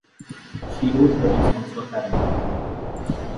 She wrote thirty songs for Ferrant.